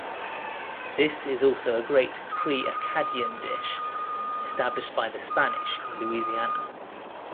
This is also a great pre-Acadian dish, established by the Spanish in Louisiana.